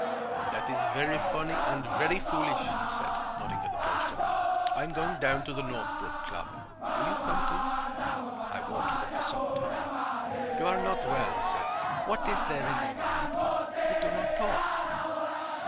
"That is very funny and very foolish," he said, nodding at the poster. "I am going down to the Northbrook Club. Will you come too?" I walked with him for some time. "You are not well," he said. "What is there in your mind? You do not talk."